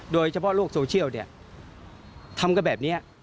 โดยเฉพาะโลกโซเชียล